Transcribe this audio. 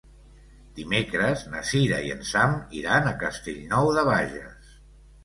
Dimecres na Cira i en Sam iran a Castellnou de Bages.